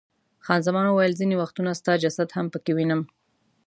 خان زمان وویل، ځیني وختونه ستا جسد هم پکې وینم.